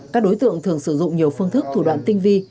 các đối tượng thường sử dụng nhiều phương thức thủ đoạn tinh vi